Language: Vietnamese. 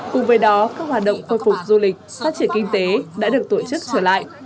cùng với đó các hoạt động khôi phục du lịch phát triển kinh tế đã được tổ chức trở lại